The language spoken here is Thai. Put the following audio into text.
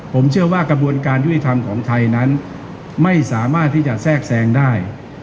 ผมเชื่อว่ากระบวนการยุติธรรมของไทยนั้นไม่สามารถที่จะแทรกแทรงได้